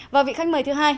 và vị khách mời thứ hai